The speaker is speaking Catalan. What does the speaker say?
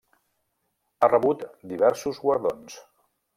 Ha rebut diversos guardons.